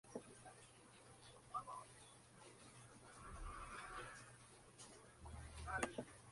Durante la dictadura franquista fue órgano del Movimiento Nacional Sindicalista.